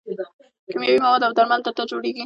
کیمیاوي مواد او درمل دلته جوړیږي.